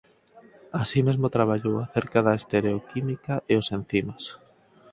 Así mesmo traballou acerca da estereoquímica e os encimas.